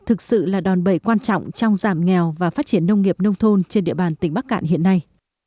thực sự là đòn bẩy quan trọng trong giảm nghèo và phát triển nông nghiệp nông thôn trên địa bàn tỉnh bắc cạn hiện nay